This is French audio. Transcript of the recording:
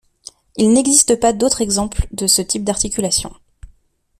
Il n'existe pas d'autre exemple de ce type d'articulation.